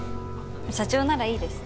社長ならいいです。